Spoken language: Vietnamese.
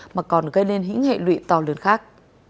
mà còn gây nên hĩ hệ lụy to lớn khác